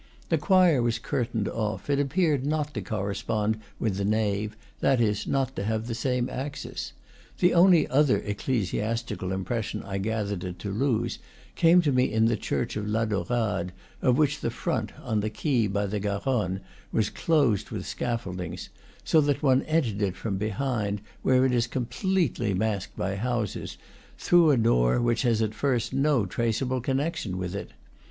The choir was curtained off; it appeared not to correspond with the nave, that is, not to have the same axis. The only other ec clesiastical impression I gathered at Toulouse came to me in the church of La Daurade, of which the front, on the quay by the Garonne, was closed with scaffold ings; so that one entered it from behind, where it is completely masked by houses, through a door which has at first no traceable connection with it.